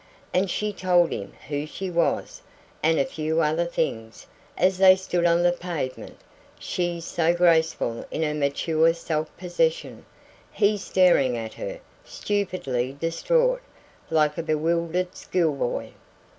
And she told him who she was, and a few other things, as they stood on the pavement she so graceful in her mature self possession, he staring at her, stupidly distraught, like a bewildered school boy.